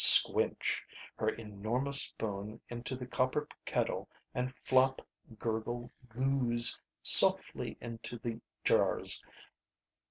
Squnch! Her enormous spoon into the copper kettle and flop, gurgle, gooze, softly into the jars.